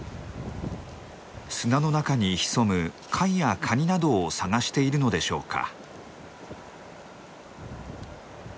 砂の中に潜む貝やカニなどを探しているのでしょうか？